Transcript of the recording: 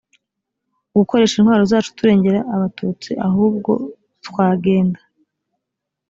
ugukoresha intwaro zacu turengera abatutsi ahubwo twagenda